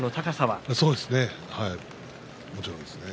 もちろんですね。